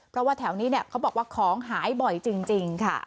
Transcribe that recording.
เพราะว่าแถวนี้เขาบอกว่าของหายบ่อยจริงค่ะ